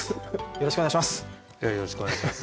よろしくお願いします。